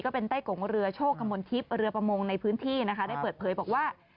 ก็เป็นใต้กงเรือโชคกำลังทิศเรือประมงในพื้นที่ได้เปิดเผยบอกว่า